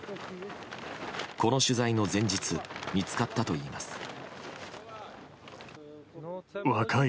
この取材の前日見つかったといいます。